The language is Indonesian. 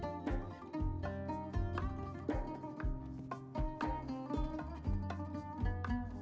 pekerjaan ini sudah menjadi media yang dasar dan tinggi